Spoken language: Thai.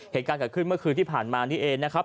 เหตุการณ์เกิดขึ้นเมื่อคืนที่ผ่านมานี่เองนะครับ